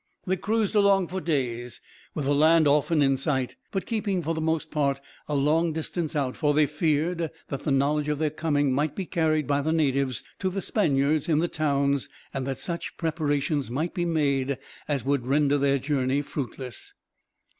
They cruised along for days, with the land often in sight, but keeping for the most part a long distance out; for they feared that the knowledge of their coming might be carried, by the natives, to the Spaniards in the towns; and that such preparations might be made as would render their journey fruitless.